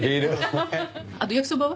あと焼きそばは？